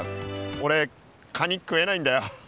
俺カニ食えないんだよ。